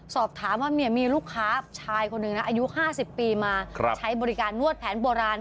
สอบถามว่ามีลูกค้าชายคนหนึ่งนะอายุ๕๐ปีมาใช้บริการนวดแผนโบราณ